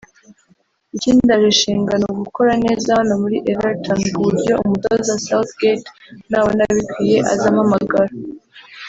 Ikindaje ishinga ni ugukora neza hano muri Everton ku buryo umutoza Southgate nabona bikwiye azampamagara